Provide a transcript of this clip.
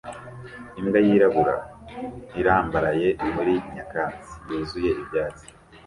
Imbwa yirabura irambaraye muri nyakatsi yuzuye ibyatsi